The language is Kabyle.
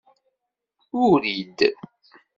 Urid